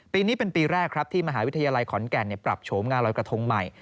ปีนี้เป็นปีแรกครับที่มหาวิทยาลัยขอนแก่นปรับโฉมงานรอยกระทงใหม่